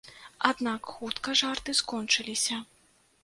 Аднак хутка жарты скончыліся.